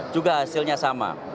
juga hasilnya sama